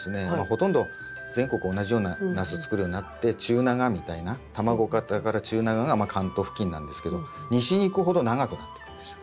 ほとんど全国同じようなナス作るようになって中長みたいな卵形から中長がまあ関東付近なんですけど西に行くほど長くなっていくんですよ。